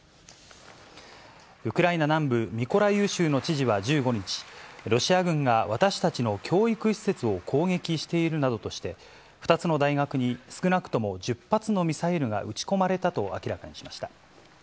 ウクライナ南部、ミコライウ州の知事は１５日、ロシア軍が私たちの教育施設を攻撃しているなどとして、２つの大学に少なくとも１０発のミサイルが撃ち込まれたと明らかにしました。